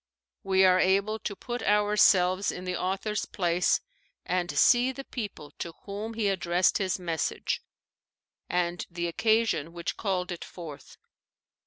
We are able to put ourselves in the author's place and see the people to whom he addressed his message and the occasion which called it forth.